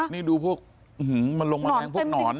นี่ดูพวกหือหือมันลงมะแรงพวกหนอน